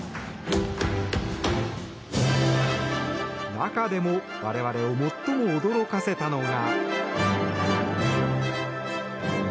中でも我々を最も驚かせたのが。